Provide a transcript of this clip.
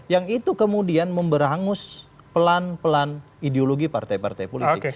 yang itu kemudian memberangus pelan pelan ideologi partai partai politik